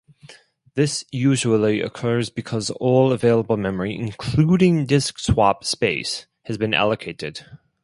This usually occurs because all available memory, including disk swap space, has been allocated.